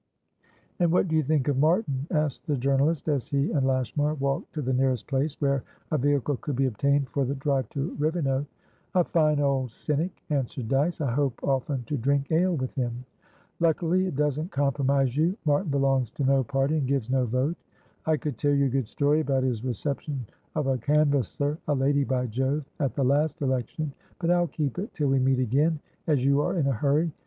"And what do you think of Martin?" asked the journalist, as he and Lashmar walked to the nearest place where a vehicle could be obtained for the drive to Rivenoak. "A fine old cynic!" answered Dyce. "I hope often to drink ale with him." "Luckily, it doesn't compromise you. Martin belongs to no party, and gives no vote. I could tell you a good story about his reception of a canvassera lady, by Jove!at the last election; but I'll keep it till we meet again, as you are in a hurry.